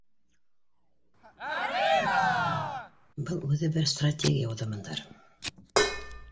Был үҙе бер стратегия, уҙамандар